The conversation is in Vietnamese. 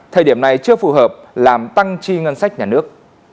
thời điểm này chưa phù hợp làm tăng chi ngân sách nhà nước